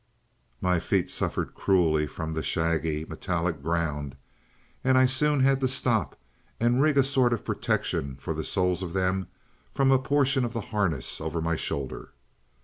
"My feet suffered cruelly from the shaggy, metallic ground, and I soon had to stop and rig a sort of protection for the soles of them from a portion of the harness over my shoulder.